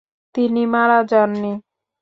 তিনি মারা যাননি।